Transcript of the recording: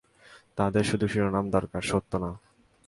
তাদের শুধু শিরোনাম দরকার, সত্য না!